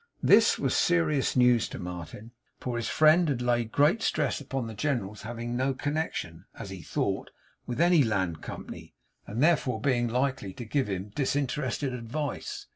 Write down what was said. This was serious news to Martin, for his friend had laid great stress upon the General's having no connection, as he thought, with any land company, and therefore being likely to give him disinterested advice.